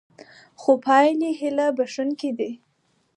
خو پایلې هیله بښوونکې دي.